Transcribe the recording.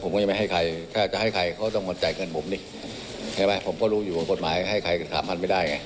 ผลเอกสาวชายท่านก็มีอยู่แล้ว